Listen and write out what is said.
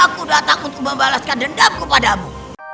aku sudah takut membalaskan dendamku padamu